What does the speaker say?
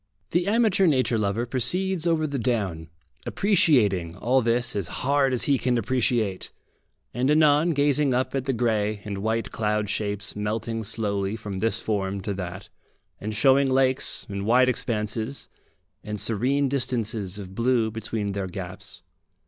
The amateur nature lover proceeds over the down, appreciating all this as hard as he can appreciate, and anon gazing up at the grey and white cloud shapes melting slowly from this form to that, and showing lakes, and wide expanses, and serene distances of blue between their gaps.